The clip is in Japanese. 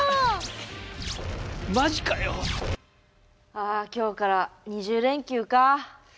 ああ今日から２０連休かあ。